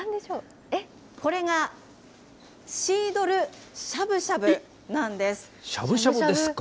これが、シードルしゃぶしゃしゃぶしゃぶですか？